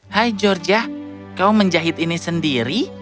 hai georgia kau menjahit ini sendiri